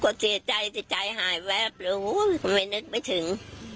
ก็เสียใจแต่ใจหายแวบเลยทำไมนึกไม่ถึง